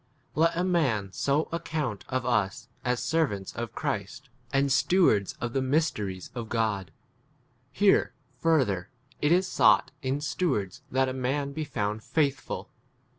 IY. Let a man so account of ns as servants' 1 of Christ, and stewards 2 of [the] mysteries of God. Here, further, it is sought 1 in ste wards that a man be found 8 faithful.